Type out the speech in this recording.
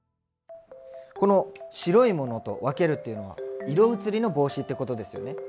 この白いものと分けるっていうのは色移りの防止ってことですよね？